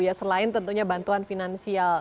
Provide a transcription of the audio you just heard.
ya selain tentunya bantuan finansial